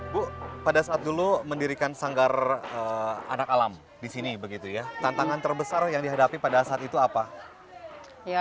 bu pada saat dulu mendirikan sanggar anak alam di sini begitu ya tantangan terbesar yang dihadapi pada saat itu apa